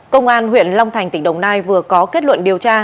công an huyện long thành tỉnh đồng nai vừa có kết luận điều tra